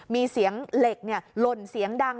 มีเสียงเหล็กหล่นเสียงดัง